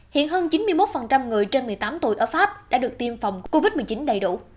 hiện hơn chín mươi một người trên một mươi tám tuổi ở pháp đã được tiêm phòng covid một mươi chín đầy đủ